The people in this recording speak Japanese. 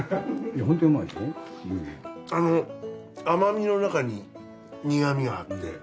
甘みの中に苦みがあって。